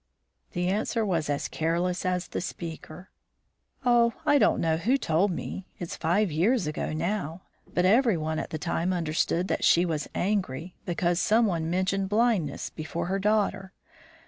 The answer was as careless as the speaker. "Oh, I don't know who told me. It's five years ago now, but every one at the time understood that she was angry, because some one mentioned blindness before her daughter.